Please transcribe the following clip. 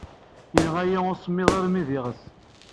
Yenɣa-iyi usemmiḍ armi d iɣes.